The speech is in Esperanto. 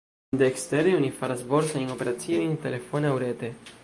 De ekstere oni faras borsajn operaciojn telefone aŭ rete.